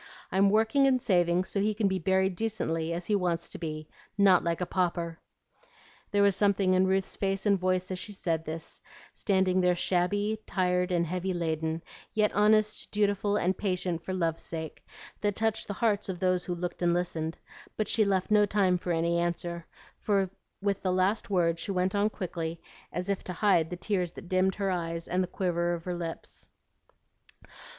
I'm working and saving so he can be buried decently, as he wants to be, not like a pauper." There was something in Ruth's face and voice as she said this, standing there shabby, tired, and heavy laden, yet honest, dutiful and patient for love's sake, that touched the hearts of those who looked and listened; but she left no time for any answer, for with the last word she went on quickly, as if to hide the tears that dimmed her clear eyes and the quiver of her lips.